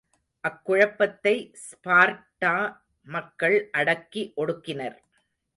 அக்குழப்பத்தை Sparta மக்கள் அடக்கி ஒடுக்கினர்.